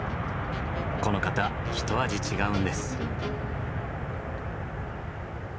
この方一味違うんです。